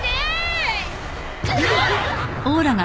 うわっ！